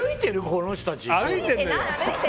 この人たち。